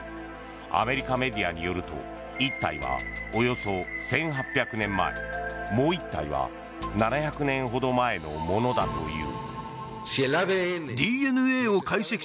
アメリカメディアによると１体はおよそ１８００年前もう１体は７００年ほど前のものだという。